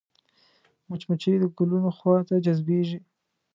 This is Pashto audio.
مچمچۍ د ګلونو خوا ته جذبېږي